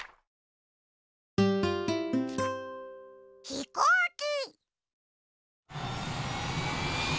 ひこうき。